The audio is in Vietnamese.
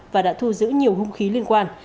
và đã thu giữ nhiều hung khí liên quan